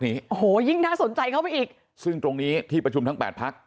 โอ้โหยิ่งน่าสนใจเข้าไปอีกซึ่งตรงนี้ที่ประชุมทั้งแปดพัก